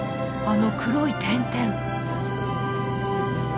あの黒い点々。